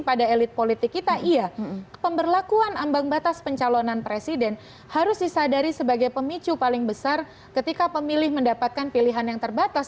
pemberlakuan ambang batas pencalonan presiden harus disadari sebagai pemicu paling besar ketika pemilih mendapatkan pilihan yang terbatas